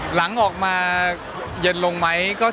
หลังออกมาเย็นลงไหม